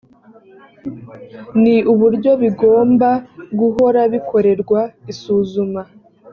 ni uburyo bigomba guhora bikorerwa isuzuma